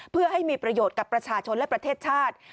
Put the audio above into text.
เพื่อให้มีประโยชน์กับประชาชนและประเทศชาติ